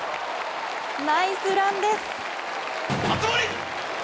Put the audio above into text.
ナイスランです。